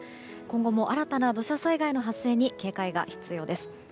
今後も新たな土砂災害の発生に警戒が必要です。